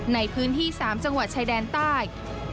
ในพื้นที่๓จังหวัดชายแดนใต้